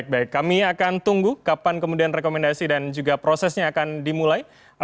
baik kami akan tunggu kapan kemudian rekomendasi dan juga prosesnya akan dimulai